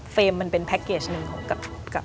เฟรมมันเป็นแพ็คเกจหนึ่งกับ